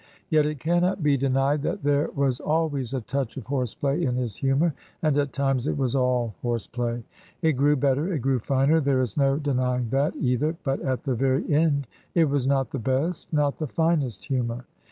Yet it cannot be denied that there was always a touch of horse play in his humor, and at times it was all horse play. It grew better, it grew finer, there is no denying that, either, but at the very end it was not the best, not the finest humor.